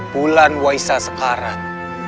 bulan waisa sekarat